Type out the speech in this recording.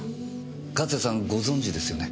勝谷さんご存じですよね？